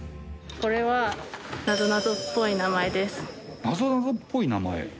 これはなぞなぞっぽい名前。